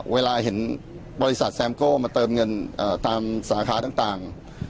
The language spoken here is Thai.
เวลาเห็นบริษัทแซมโก้มาเติมเงินตามสาขาต่าง